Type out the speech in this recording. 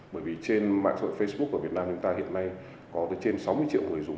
bởi vì trên mạng xã hội facebook của việt nam chúng ta hiện nay có trên sáu mươi triệu người dùng